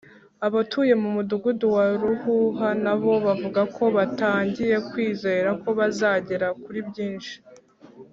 Abatuye mu mudugudu wa Ruhuha na bo bavuga ko batangiye kwizera ko bazagera kuri byinshi